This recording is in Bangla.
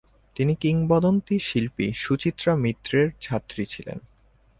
তিনি কিংবদন্তি শিল্পী সুচিত্রা মিত্রের ছাত্রী ছিলেন।